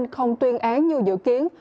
không tuyên án như dự kiến